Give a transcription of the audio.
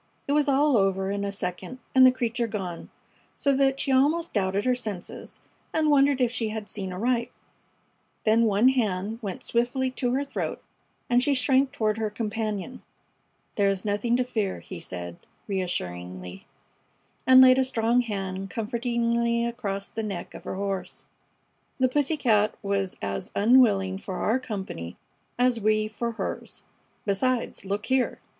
It was all over in a second and the creature gone, so that she almost doubted her senses and wondered if she had seen aright. Then one hand went swiftly to her throat and she shrank toward her companion. "There is nothing to fear," he said, reassuringly, and laid a strong hand comfortingly across the neck of her horse. "The pussy cat was as unwilling for our company as we for hers. Besides, look here!"